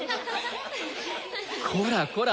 こらこら